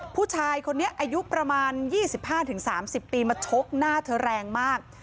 ผู้ชายคนนี้อายุประมาณ๒๕๓๐ปีมาชกหน้าเธอแรงมาก